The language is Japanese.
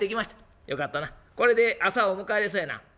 「よかったなこれで朝を迎えれそうやな」。